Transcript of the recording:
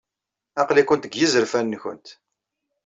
Aql-ikent deg yizerfan-nwent.